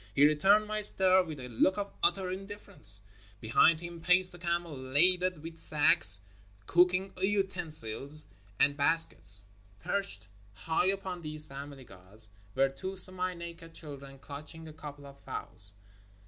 He returned my stare with a look of utter indifference. Behind him paced a camel laden with sacks, cooking utensils, and 344 J THE HOUR OF PRAYER IN THE DESERT baskets. Perched high upon these family gods were two semi naked children clutching a couple of fowls.